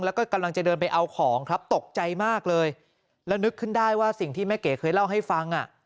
แล้วก็กำลังจะเดินไปเอาของครับตกใจมากเลยแล้วนึกขึ้นได้ว่าสิ่งที่แม่เก๋เคยเล่าให้ฟังอ่ะ